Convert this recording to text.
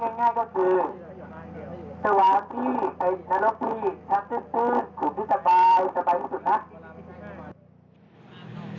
สูบที่สบายสบายที่สุดนะ